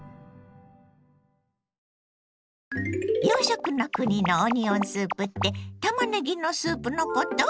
洋食の国のオニオンスープってたまねぎのスープのこと？